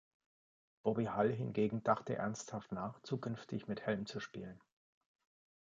Bobby Hull hingegen dachte ernsthaft nach zukünftig mit Helm zu spielen.